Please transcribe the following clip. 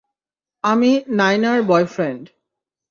আমি নায়নার বয়ফ্রেন্ড।